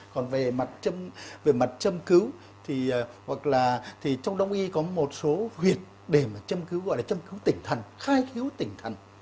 còn về mặt châm cứu thì trong đông y có một số huyệt để mà châm cứu gọi là châm cứu tỉnh thần khai cứu tỉnh thần